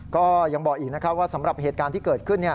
ก็ยังบอกอีกนะครับว่าสำหรับเหตุการณ์ที่เกิดขึ้น